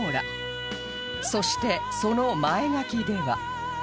そしてその前書きでは